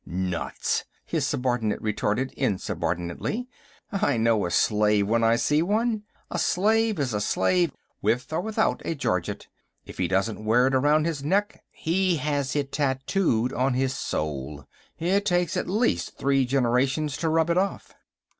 "Nuts," his subordinate retorted insubordinately. "I know a slave when I see one. A slave is a slave, with or without a gorget; if he doesn't wear it around his neck, he has it tattooed on his soul. It takes at least three generations to rub it off."